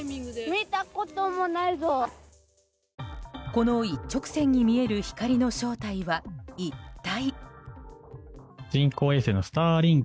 この一直線に見える光の正体は一体。